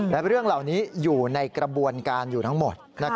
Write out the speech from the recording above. และเรื่องเหล่านี้อยู่ในกระบวนการอยู่ทั้งหมด